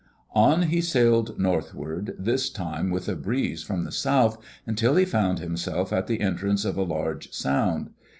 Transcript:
On he sailed northward, this time with a breeze from the south, until he found himself at the entrance of a large sound.